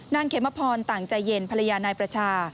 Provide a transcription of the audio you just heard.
เขมพรต่างใจเย็นภรรยานายประชา